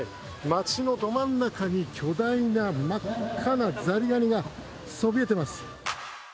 街のど真ん中に巨大な真っ赤なザリガニがそびえてます。